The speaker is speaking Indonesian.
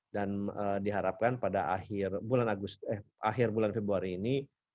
dan diharapkan pada akhir bulan februari ini